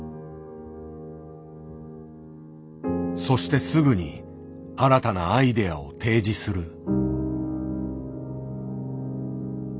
そしてすぐに新たなアイデアを提示する。